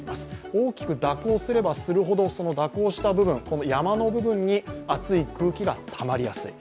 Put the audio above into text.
大きく蛇行すればするほど蛇行したこの山の部分に暑い空気がたまりやすい。